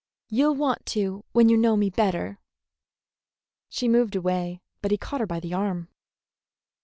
You'll want to when you know me better." She moved away, but he caught her by the arm.